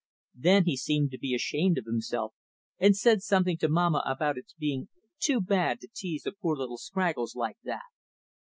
Then he seemed to be ashamed of himself, and said something to Mamma about its being "too bad to tease a poor little Scraggles like that."